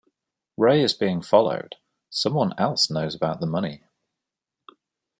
Ray is being followed; someone else knows about the money.